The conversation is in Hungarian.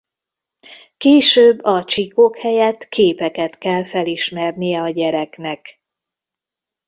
Később a csíkok helyett képeket kell felismernie a gyereknek.